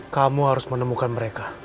kamu harus menemukan mereka